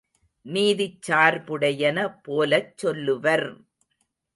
நீதிச் சார்புடையன போலச் சொல்லுவர்!